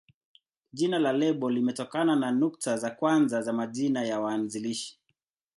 Jina la lebo limetokana na nukta za kwanza za majina ya waanzilishi.